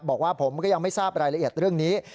บอกว่าผมก็ยังไม่ทราบรายละเอียดเรื่องนี้